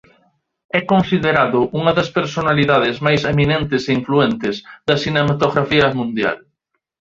É considerado unha das personalidades máis eminentes e influentes da cinematografía mundial.